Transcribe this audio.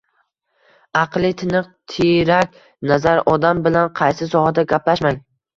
aqli tiniq, tiyrak nazar odam bilan qaysi sohada gaplashmang